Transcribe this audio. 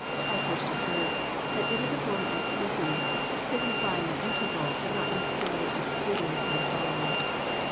Parkhnrst observes that it is a form of speaking, *' signifying an interyal, but not necessarily exclading the time following."